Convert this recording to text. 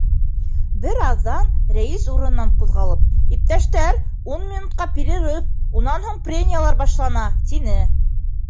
Бер аҙҙан рәис урынынан ҡуҙғалып: - Иптәштәр, ун минутҡа перерыв, унан һуң прениелар башлана, - тине.